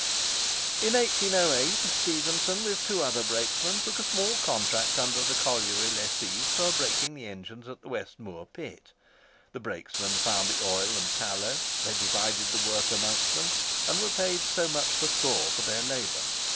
In 1808, Stephenson, with two other brakesmen, took a small contract under the colliery lessees for brakeing the engines at the West Moor Pit. The brakesmen found the oil and tallow; they divided the work amongst them, and were paid so much per score for their labour.